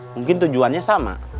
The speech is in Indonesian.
mungkin tujuannya sama